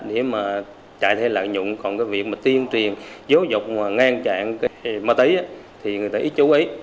để mà chạy theo lợi dụng còn cái việc tiên truyền dấu dục và ngang chạy ma túy thì người ta ít chú ý